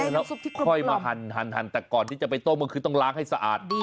แล้วค่อยมาหันแต่ก่อนที่จะไปต้มก็คือต้องล้างให้สะอาด